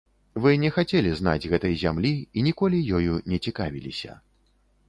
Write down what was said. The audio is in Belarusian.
Вы не хацелі знаць гэтай зямлі і ніколі ёю не цікавіліся.